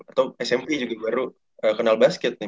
atau smp juga baru kenal basket